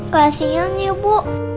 kasian ya bu